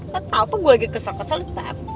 kau tau apa gue lagi kesel kesel